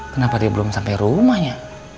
kenapa dia belum sampai rumahnya